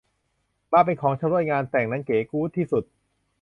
มาเป็นของชำร่วยงานแต่งนั้นเก๋กู้ดที่สุด